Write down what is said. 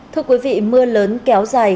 thưa quý vị mưa lớn kéo dài